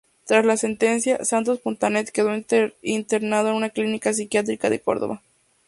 Tras la sentencia, Santos Fontanet quedó internado en una clínica psiquiátrica de Córdoba.